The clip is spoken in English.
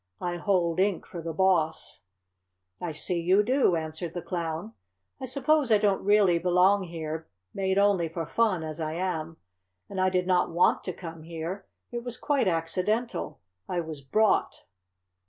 I hold ink for the Boss." "I see you do," answered the Clown. "I suppose I don't really belong here, made only for fun, as I am. And I did not want to come here. It was quite accidental. I was brought."